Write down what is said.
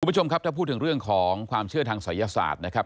คุณผู้ชมครับถ้าพูดถึงเรื่องของความเชื่อทางศัยศาสตร์นะครับ